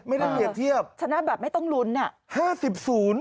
ไม่ได้เทียบเทียบ